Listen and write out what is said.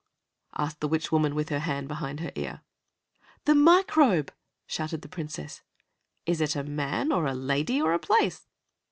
asked the witch woman, with her hand behind her ear. "The Microbe!" shouted the Princess. "Is it a man, or a lady, or a place?"